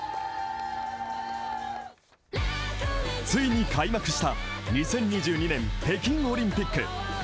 ついに開幕した２０２２年、北京オリンピック。